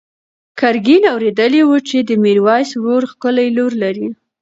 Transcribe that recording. ګرګین اورېدلي وو چې د میرویس ورور ښکلې لور لري.